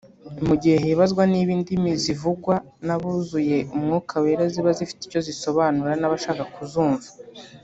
Mu gihe hibazwa niba indimi zivugwa n’abuzuye Umwuka Wera ziba zifite icyo zisobanura n’ababasha kuzumva